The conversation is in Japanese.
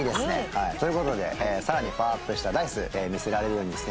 はいという事で更にパワーアップしたＤａ−ｉＣＥ見せられるようにですね